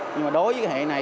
nhưng mà đối với cái hệ này